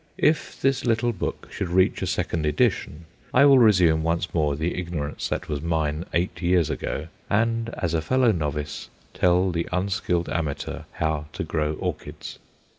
If this little book should reach a second edition, I will resume once more the ignorance that was mine eight years ago, and as a fellow novice tell the unskilled amateur how to grow orchids.